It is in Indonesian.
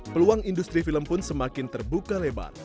peluang industri film pun semakin terbuka lebar